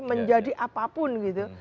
menjadi apapun gitu